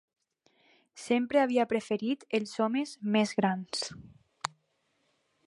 Sempre havia preferit els homes més grans...